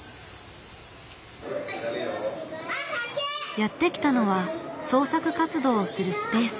やって来たのは創作活動をするスペース。